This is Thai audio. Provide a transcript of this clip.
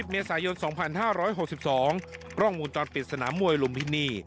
เมษายน๒๕๖๒กล้องวงจรปิดสนามมวยลุมพินี